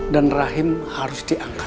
dan rahim harus diangkat